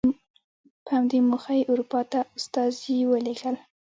په همدې موخه یې اروپا ته استازي ولېږل.